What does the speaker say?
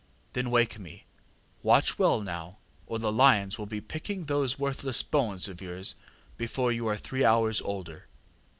Then wake me. Watch well, now, or the lions will be picking those worthless bones of yours before you are three hours older.